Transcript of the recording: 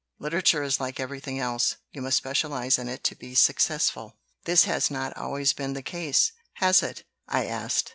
Literature is like everything else you must specialize in it to be successful." "This has not always been the case, has it?" I asked.